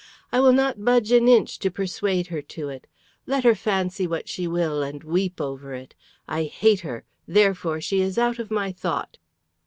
"I will not budge an inch to persuade her to it. Let her fancy what she will and weep over it! I hate her; therefore she is out of my thought."